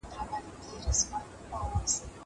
زه د ښوونځی لپاره تياری کړی دی!!